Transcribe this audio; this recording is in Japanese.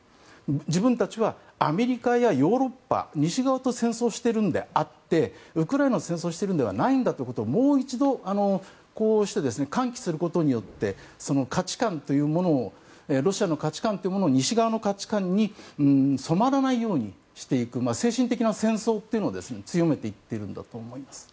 自分たちはアメリカやヨーロッパ西側と戦争しているのであってウクライナと戦争をしているのではないんだということをもう一度、喚起することによってロシアの価値観を西側の価値観に染まらないようにしていく精神的な戦争というのを強めていっていると思います。